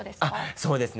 そうですね